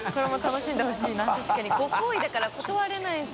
確かにご厚意だから断れないし。